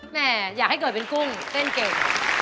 แม่อยากให้เกิดเป็นกุ้งเต้นเก่ง